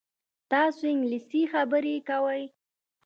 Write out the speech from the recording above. تاسو انګلیسي خبرې کوئ؟